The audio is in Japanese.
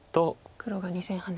黒が２線ハネ。